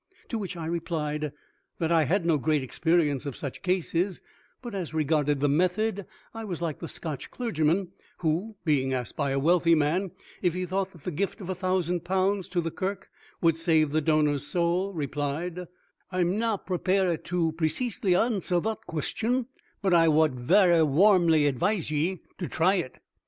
To which I replied that I had no great experience of such cases, but as regarded the method I was like the Scotch clergyman who, being asked by a wealthy man if he thought that the gift of a thousand pounds to the Kirk would save the donor's soul, replied: "I'm na prepairet to preceesly answer thot question but I wad vara warmly advise ye to try it."